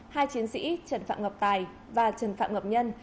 hai chiến sĩ trần phạm ngọc tài và trần phạm ngọc nhân